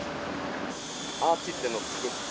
アーチってのを作って。